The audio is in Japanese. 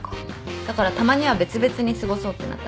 だからたまには別々に過ごそうってなったんだよね。